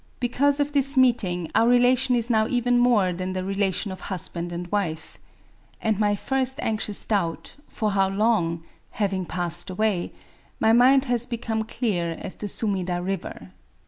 Because of this meeting our relation is now even more than the relation of husband and wife* And my first anxious doubt^ For how long —?" having passed away^ my mind has become [clear] as the Sumida River.